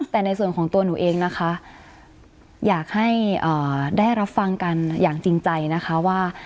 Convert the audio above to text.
แต่ในส่วนของตัวหนูเองนะคะอยากให้ได้รับฟังกันอย่างจริงใจนะคะว่า